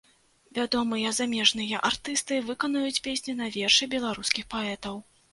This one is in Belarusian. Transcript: Вядомыя замежныя артысты выканаюць песні на вершы беларускіх паэтаў.